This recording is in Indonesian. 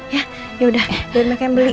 ya yaudah biar mekan beli